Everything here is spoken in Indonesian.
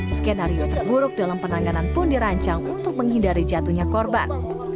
skenario terburuk dalam penanganan pun dirancang untuk menghindari jatuhnya korban